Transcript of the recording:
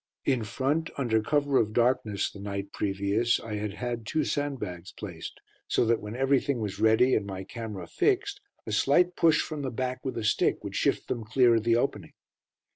In front, under cover of darkness, the night previous, I had had two sandbags placed, so that when everything was ready, and my camera fixed, a slight push from the back with a stick would shift them clear of the opening.